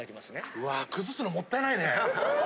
・うわ崩すのもったいないね・